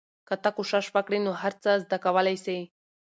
که ته کوشش وکړې نو هر څه زده کولای سې.